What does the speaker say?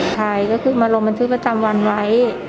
ใช่ก็คือมาลงบันทึกประจำวันไว้